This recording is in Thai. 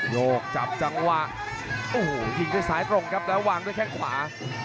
โยกจับจังหวะโอ้โหยิงด้วยซ้ายตรงครับแล้ววางด้วยแข้งขวา